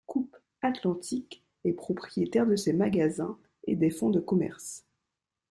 Coop Atlantique est propriétaire de ses magasins et des fonds de commerce.